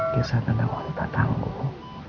kisah tentang orang patangguh